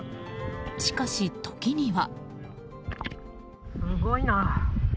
しかし、時には。